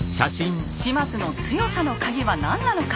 島津の強さの鍵は何なのか。